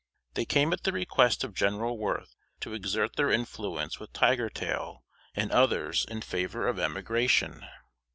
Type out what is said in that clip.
They came at the request of General Worth to exert their influence with Tiger tail and others in favor of emigration.